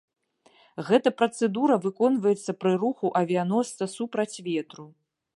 Гэта працэдура выконваецца пры руху авіяносца супраць ветру.